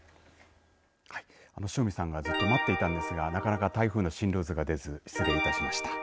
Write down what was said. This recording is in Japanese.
塩見さんがずっと待っていたんですがなかなか台風の進路図が出ず失礼いたしました。